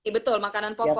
betul makanan pokok